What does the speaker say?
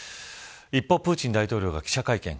一方プーチン大統領が記者会見。